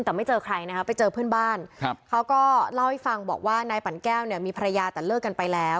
แต่ไม่เจอใครนะคะไปเจอเพื่อนบ้านครับเขาก็เล่าให้ฟังบอกว่านายปั่นแก้วเนี่ยมีภรรยาแต่เลิกกันไปแล้ว